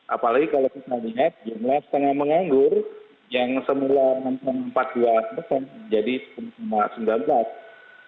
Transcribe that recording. apalagi kalau kita lihat jumlah setengah mengambil yang semula mencapai empat puluh dua persen jadi sembilan belas persen